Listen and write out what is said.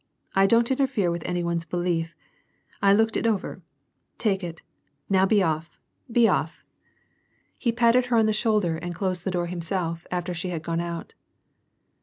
I don't interfere with any one's belief. 1 looked it over. Take it. Now, be off ; be off." *^u tuddruinya. 106 WAR AND PEACE. He patted her on the shoulder and closed the door himself^ after she had gone out.